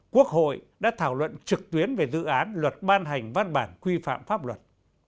quốc hội đã thảo luận trực tuyến về dự án luật ban hành văn bản quy phạm pháp luật